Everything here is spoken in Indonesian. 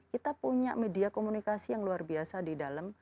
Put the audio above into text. kita punya media komunikasi yang luar biasa di dalam